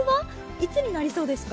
いつになりそうですか？